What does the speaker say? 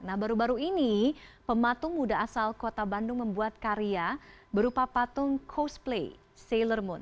nah baru baru ini pematung muda asal kota bandung membuat karya berupa patung cosplay sailer moon